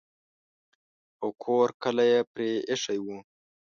او کور کلی یې پرې ایښی وو.